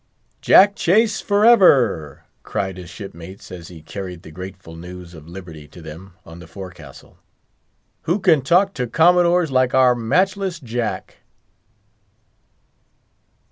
"Jack Chase for ever!" cried his shipmates, as he carried the grateful news of liberty to them on the forecastle. "Who can talk to Commodores like our matchless Jack!"